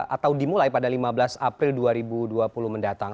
atau dimulai pada lima belas april dua ribu dua puluh mendatang